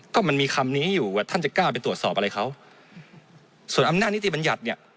ก็มันมีคำนี้อยู่ว่าท่านจะกล้าไปตรวจสอบอะไรเขาส่วนอำนาจนิติบัญญัติเนี่ย